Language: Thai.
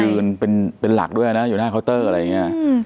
ยืนเป็นหลักด้วยนะอยู่หน้าเคาน์เตอร์อะไรอย่างนี้